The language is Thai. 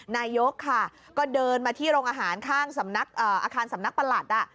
นายกค่ะก็เดินมาที่โรงอาหารข้างสำนักอาคารสำนักประหลัด